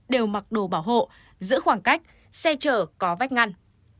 đều mặc đồ bảo hộ giữ khoảng cách xe chở có vách ngăn